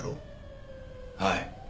はい。